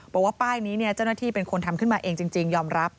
บอกว่าป้ายนี้เจ้าหน้าที่เป็นคนทำขึ้นมาเองจริงยอมรับ